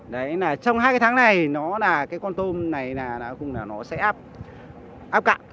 đấy là trong hai cái tháng này nó là cái con tôm này là nó cũng là nó sẽ áp cặn